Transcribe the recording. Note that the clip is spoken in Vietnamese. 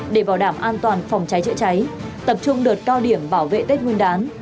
để bảo đảm an toàn phòng cháy chữa cháy tập trung đợt cao điểm bảo vệ tết nguyên đán